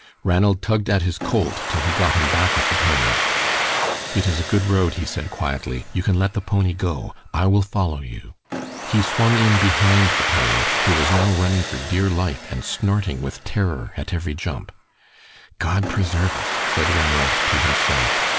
Ranald tugged at his colt till he got him back with the pony. "It is a good road," he said, quietly; "you can let the pony go. I will follow you." He swung in behind the pony, who was now running for dear life and snorting with terror at every jump. "God preserve us!" said Ranald to himself.